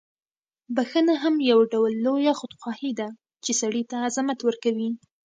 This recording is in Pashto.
بخښنه هم یو ډول لویه خودخواهي ده، چې سړی ته عظمت ورکوي.